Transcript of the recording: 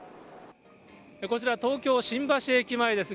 こちら、東京・新橋駅前です。